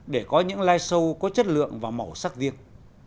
để có những live show có chất lượng và màu sắc riêng